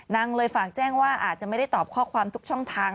นางเลยฝากแจ้งว่าอาจจะไม่ได้ตอบข้อความทุกช่องทาง